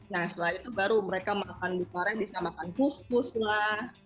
nah setelah itu baru mereka makan di korea bisa makan kus kus lah